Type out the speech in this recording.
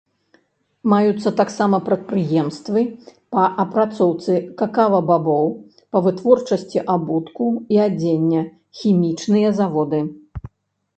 Маюцца таксама прадпрыемствы па апрацоўцы какава-бабоў, па вытворчасці абутку і адзення, хімічныя заводы.